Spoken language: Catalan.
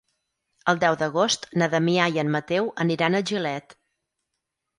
El deu d'agost na Damià i en Mateu aniran a Gilet.